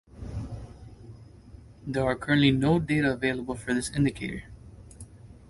There are currently no data available for this indicator.